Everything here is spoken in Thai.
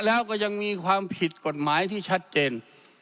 แล้วก็ยังมีความผิดกฎหมายที่ชัดเจน